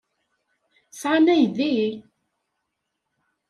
Sɛan aydi?